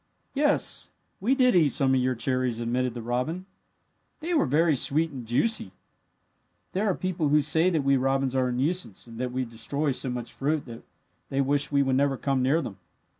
"Yes, we did eat some of your cherries," admitted the robin. "They were very sweet and juicy. "There are people who say that we robins are a nuisance, and that we destroy so much fruit that they wish we would never come near them.